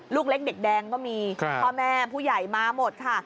ลูกเล็กเด็กแดงก็มีพ่อแม่ผู้ใหญ่มาหมดค่ะ